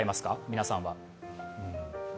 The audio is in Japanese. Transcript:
皆さんは。